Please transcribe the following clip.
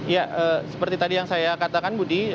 ya seperti tadi yang saya katakan budi